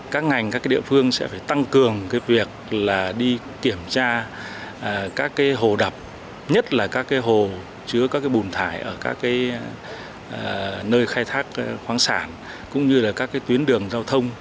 các ngành các cái địa phương sẽ phải tăng cường cái việc là đi kiểm tra các cái hồ đập nhất là các cái hồ chứa các cái bùn thải ở các cái nơi khai thác khoáng sản cũng như là các cái tuyến đường giao thông